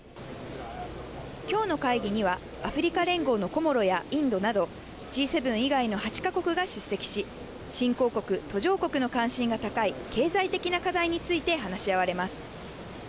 きょうの会議には、アフリカ連合のコモロやインドなど、Ｇ７以外の８か国が出席し、新興国、途上国の関心が高い経済的な課題について話し合われます。